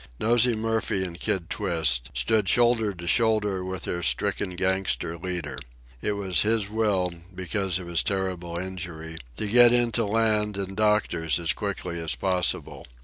Nosey Murphy and Kid Twist stood shoulder to shoulder with their stricken gangster leader. It was his will, because of his terrible injury, to get in to land and doctors as quickly as possible.